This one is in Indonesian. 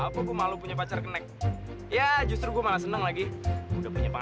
sampai jumpa di video selanjutnya